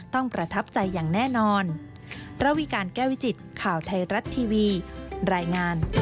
ประทับใจอย่างแน่นอน